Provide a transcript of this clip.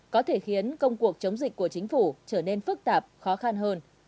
có thể khiến công cuộc chống dịch của chính phủ trở nên phức tạp khó khăn hơn